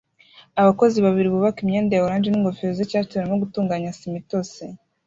Abakozi babiri bubaka imyenda ya orange n'ingofero z'icyatsi barimo gutunganya sima itose